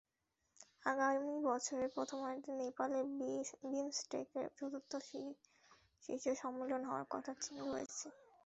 আগামী বছরের প্রথমার্ধে নেপালে বিমসটেকের চতুর্থ শীর্ষ সম্মেলন হওয়ার কথা রয়েছে।